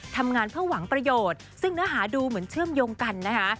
ทำงานเพื่อหวังประโยชน์ซึ่งเนื้อหาดูเหมือนเชื่อมโยงกันนะคะ